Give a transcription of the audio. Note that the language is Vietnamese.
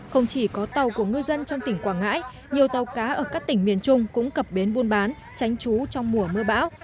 không chỉ có tàu của ngư dân trong tỉnh quảng ngãi nhiều tàu cá ở các tỉnh miền trung cũng cập bến buôn bán tránh trú trong mùa mưa bão